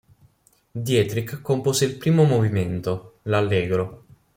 Dietrich compose il primo movimento, l"'Allegro".